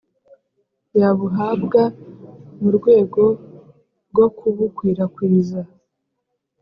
yabuhabwa mu rwego rwo kubukwirakwiza